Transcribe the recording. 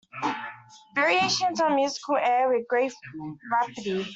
Variations on a musical air With great rapidity.